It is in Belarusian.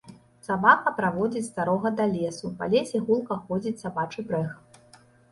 Сабака праводзіць старога да лесу, па лесе гулка ходзіць сабачы брэх.